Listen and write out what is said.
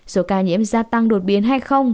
số ca nhiễm gia tăng đột biến hay không